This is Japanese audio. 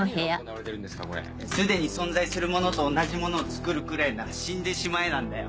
「既に存在するものと同じものを作るくらいなら死んでしまえ」なんだよ。